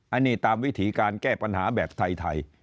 อันนี้ตามวิธีการแก้ปัญหาแบบไทย